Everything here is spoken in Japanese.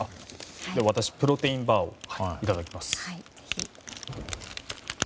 私、プロテインバーをいただきます。